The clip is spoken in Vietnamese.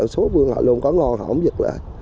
số vườn họ lùm có ngon họ cũng dịch bất lệ